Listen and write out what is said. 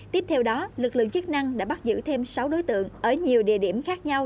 tiếp theo đó lực lượng chức năng đã bắt giữ thêm sáu đối tượng ở nhiều địa điểm khác nhau